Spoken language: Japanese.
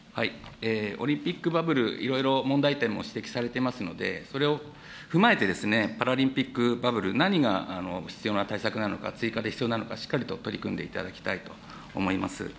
オリンピックバブル、いろいろ問題点も指摘されていますので、それを踏まえてですね、パラリンピックバブル、何が必要な対策なのか、追加で必要なのか、しっかりと取り組んでいただきたいと思います。